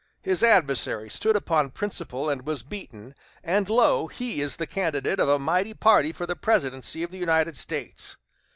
His adversary stood upon principle and was beaten; and, lo! he is the candidate of a mighty party for the presidency of the United States.